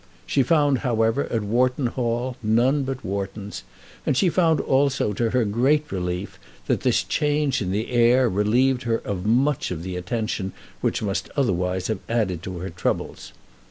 She found, however, at Wharton Hall none but Whartons, and she found also to her great relief that this change in the heir relieved her of much of the attention which must otherwise have added to her troubles.